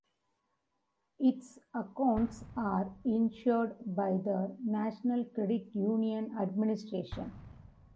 Its accounts are insured by the National Credit Union Administration.